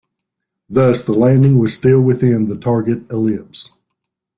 Thus the landing was still within the target ellipse.